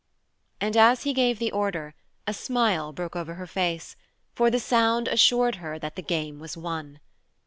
And as he gave the order, a smile broke over her face, for the sound assured her that the game was won.